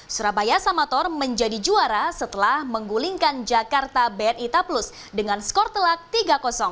surabaya samator menjadi juara setelah menggulingkan jakarta bni taplus dengan skor telak tiga